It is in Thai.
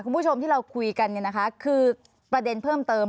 คุณผู้ชมที่เราคุยกันเนี่ยนะคะคือประเด็นเพิ่มเติม